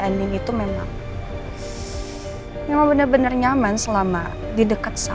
andi itu memang memang bener bener nyaman selama di dekat sal